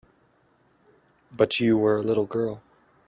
But you were a little girl.